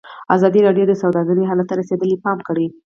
ازادي راډیو د سوداګري حالت ته رسېدلي پام کړی.